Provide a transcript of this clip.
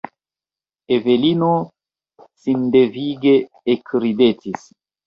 Evelino sindevige ekridetis.